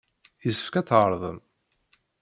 Yessefk ad tɛerḍem!